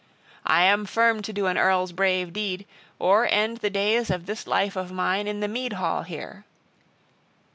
I am firm to do an earl's brave deed, or end the days of this life of mine in the mead hall here."